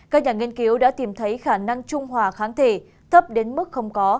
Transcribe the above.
các nhà nghiên cứu đã tìm thấy khả năng trung hòa kháng thể thấp đến mức không có